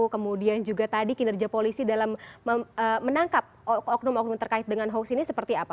kemudian juga tadi kinerja polisi dalam menangkap oknum oknum terkait dengan hoax ini seperti apa